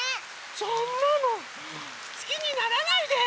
そんなのすきにならないで！